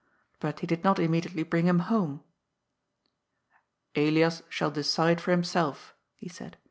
But he did not immediately bring him home. " Elias shall decide for himself," he said.